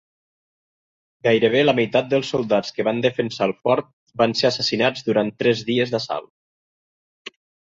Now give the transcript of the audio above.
Gairebé la meitat dels soldats que van defensar el fort van ser assassinats durant tres dies d'assalt.